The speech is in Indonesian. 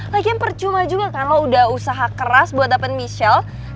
lagian percuma juga kan lo udah usaha keras buat dapet michelle